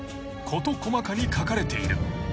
［事細かに書かれている］